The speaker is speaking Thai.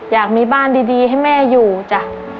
อยากมีบ้านดีให้แม่อยู่จ้ะ